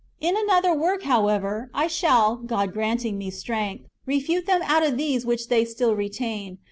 In another work,^ however, I shall, God granting [me strength], refute them out of these which they still retain.